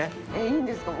いいんですか？